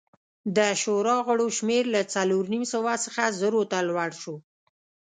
د شورا غړو شمېر له څلور نیم سوه څخه زرو ته لوړ شو